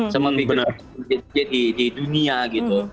sama biggest dj di dunia gitu